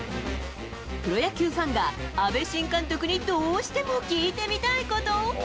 プロ野球ファンが阿部新監督にどうしても聞いてみたいこと。